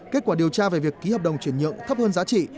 kết quả điều tra về việc ký hợp đồng chuyển nhượng thấp hơn giá trị